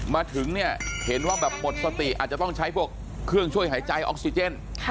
มาถึงเนี่ยเห็นว่าแบบหมดสติอาจจะต้องใช้พวกเครื่องช่วยหายใจออกซิเจน